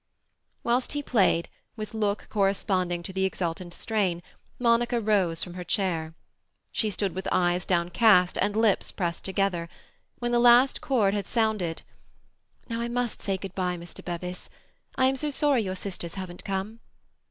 Whilst he played, with look corresponding to the exultant strain, Monica rose from her chair. She stood with eyes downcast and lips pressed together. When the last chord had sounded,— "Now I must say good bye, Mr. Bevis. I am so sorry your sisters haven't come."